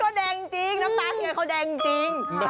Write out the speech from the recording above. ก็แดงจริงน้ำตาเทียนเขาแดงจริง